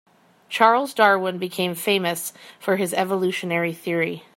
Charles Darwin became famous for his evolutionary theory.